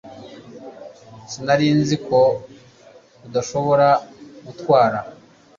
Sinari nzi ko udashobora gutwara